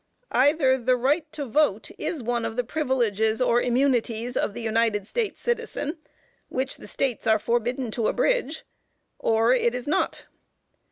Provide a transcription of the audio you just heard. Either the right to vote is one of the "privileges or immunities" of the United States citizen, which the states are forbidden to abridge, or it is not.